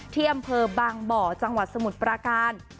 ที่อำเภอบางบ่อจังหวัดสมุทรปราการ